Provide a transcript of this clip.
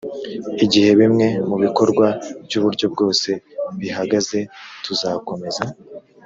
igihe bimwe mu bikorwa by uburyo bwose bihagaze tuzakomeza